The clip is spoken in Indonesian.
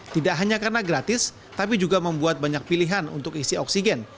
tidak hanya karena gratis tapi juga membuat banyak pilihan untuk isi oksigen